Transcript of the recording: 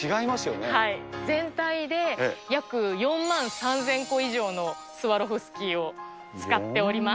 全体で約４万３０００個以上のスワロフスキーを使っております。